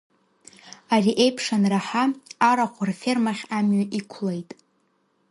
Ари еиԥш анраҳа, арахә рфермахь амҩа иқәлеит.